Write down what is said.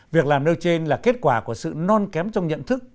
việc làm nêu trên là kết quả của sự non kém trong nhận thức